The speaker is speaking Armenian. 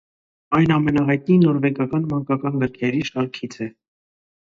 Այն ամենահայտնի նորվեգական մանկական գրքերի շարքից է։